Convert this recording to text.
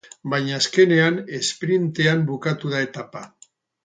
Baina azkenean esprintean bukatu da etapa.